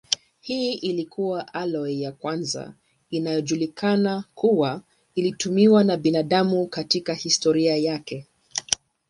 Hii ilikuwa aloi ya kwanza inayojulikana kuwa ilitumiwa na binadamu katika historia yake.